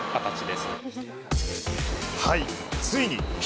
はい！